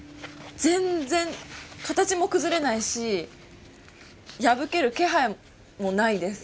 全然形も崩れないし破ける気配もないです。